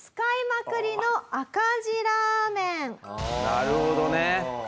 なるほどね。